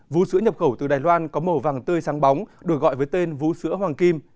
vú sứa nhập khẩu từ đài loan có màu vàng tươi sáng bóng được gọi với tên vú sứa hoàng kim